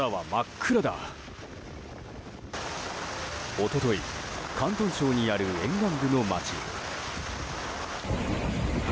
一昨日広東省にある沿岸部の街。